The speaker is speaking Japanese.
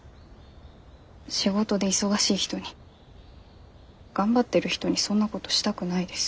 仕事で忙しい人に頑張ってる人にそんなことしたくないです。